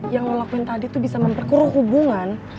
yang lo lakuin tadi tuh bisa memperkuruh hubungan